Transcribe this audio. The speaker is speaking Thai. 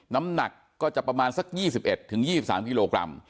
น้ำหนักก็จะประมาณสัก๒๑๒๓กิโลกรัม